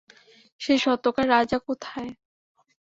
সেই সত্যকার রাজা কোথায়?